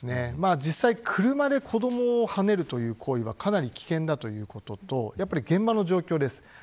実際、車で子どもをはねるという行為はかなり危険だということとやっぱり現場の状況です。